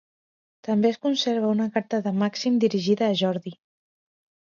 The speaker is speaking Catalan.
També es conserva una carta de Màxim dirigida a Jordi.